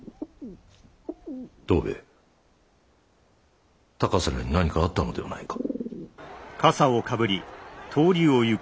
藤兵衛高瀬らに何かあったのではないか？